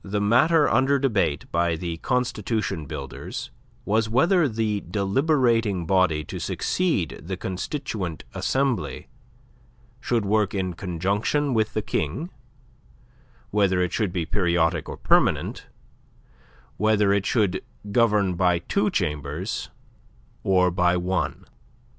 The matter under debate by the constitution builders was whether the deliberating body to succeed the Constituent Assembly should work in conjunction with the King, whether it should be periodic or permanent, whether it should govern by two chambers or by one.